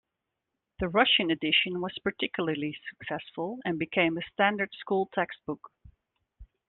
The Russian edition was particularly successful and became a standard school textbook.